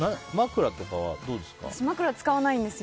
私、枕使わないんですよ。